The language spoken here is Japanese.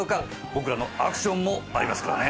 僕らのアクションもありますからね。